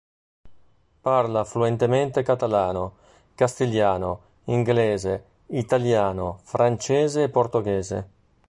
Parla fluentemente catalano, castigliano, inglese, italiano, francese e portoghese.